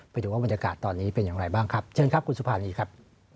ไปดูว่าบรรยากาศตอนนี้เป็นอย่างไรบ้างครับเชิญครับคุณสุภารีครับ